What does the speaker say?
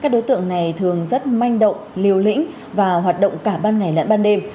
các đối tượng này thường rất manh động liều lĩnh và hoạt động cả ban ngày lẫn ban đêm